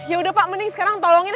yaudah pak mending sekarang tolongin